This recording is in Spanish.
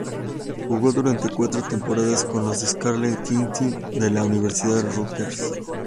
Jugó durante cuatro temporadas con los "Scarlet Knights" de la Universidad Rutgers.